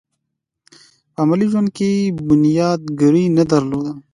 په عملي ژوند کې یې بنياد ګرايي نه درلوده.